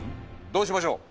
どうしましょう？